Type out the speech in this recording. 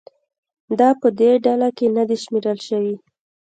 دا په دې ډله کې نه دي شمېرل شوي